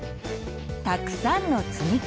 たくさんのつみき。